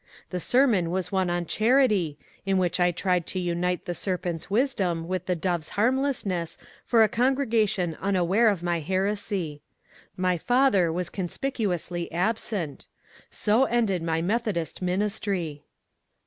The sermon was one on Charity, in which I tried to unite the serpent's wisdom with the dove's harmless ness for a congregation unaware of my heresy. My father was conspicuously absent. So ended my Methodist ministry.